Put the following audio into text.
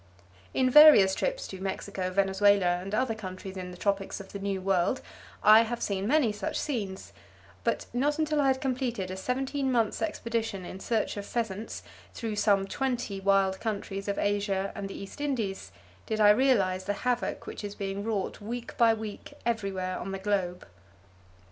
In various trips to Mexico, Venezuela and other countries in the tropics of the New World I have seen many such scenes, but not until I had completed a seventeen months' expedition in search of pheasants, through some twenty wild countries of Asia and the East Indies, did I realize the havoc which is being wrought week by week everywhere on the globe.